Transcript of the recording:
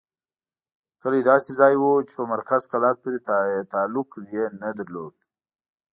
کلی داسې ځای وو چې په مرکز کلات پورې تعلق یې نه درلود.